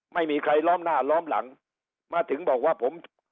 ไม่มีใครล้อมหน้าล้อมหลังมาถึงบอกว่าผม